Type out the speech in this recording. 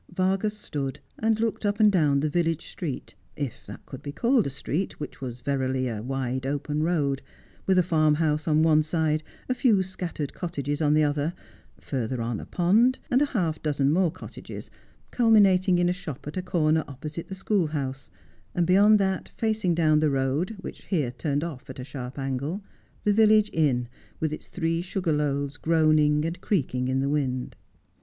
Vargas stood and looked up and down the village street — if that could be called a street which was verily a wide open road, with a farmhouse on one side, a few scattered cottages on the other, further on a pond, and half a dozen more cottages, culmi nating in a shop at a corner opposite the schoolhouse, and beyond that, facing down the road, which here turned off at a sharp angle, the village inn, with its three sugar loaves groaning and creaking in the wind.